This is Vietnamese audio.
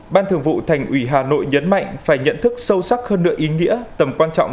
ban thường vụ thành ủy hà nội nhấn mạnh phải nhận thức sâu sắc hơn nữa ý nghĩa tầm quan trọng